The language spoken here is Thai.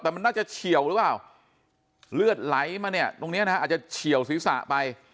แต่มันน่าจะเฉียวหรือเปล่าเลือดไหลมาเนี่ยตรงเนี้ยนะฮะอาจจะเฉียวศีรษะไป